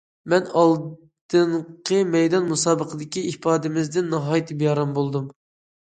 مەن ئالدىنقى مەيدان مۇسابىقىدىكى ئىپادىمىزدىن ناھايىتى بىئارام بولدۇم.